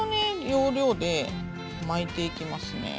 要領で巻いていきますね。